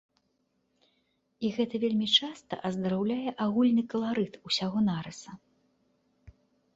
І гэта вельмі часта аздараўляе агульны каларыт усяго нарыса.